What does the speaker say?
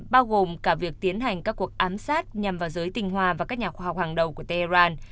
bao gồm cả việc tiến hành các cuộc ám sát nhằm vào giới tinh hoa và các nhà khoa học hàng đầu của tehran